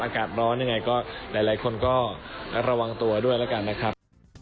อากาศร้อนยังไงก็หลายคนก็ระวังตัวด้วยแล้วกันนะครับ